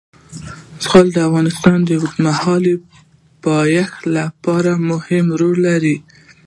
زغال د افغانستان د اوږدمهاله پایښت لپاره مهم رول لري.